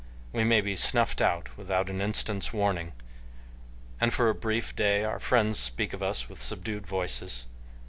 We may be snuffed out without an instant's warning, and for a brief day our friends speak of us with subdued voices.